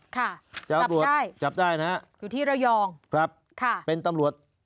ค่ะตำรวจใช่จับได้นะฮะอยู่ที่ระยองครับค่ะเป็นตำรวจ